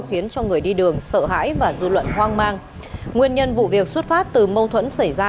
khiến cho người đi đường sợ hãi và dư luận hoang mang nguyên nhân vụ việc xuất phát từ mâu thuẫn xảy ra